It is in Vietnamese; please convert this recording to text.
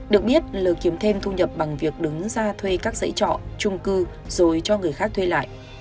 được biết l kiếm thêm thu nhập bằng việc đứng ra thuê các giấy trọ chung cư rồi cho người khác thuê lại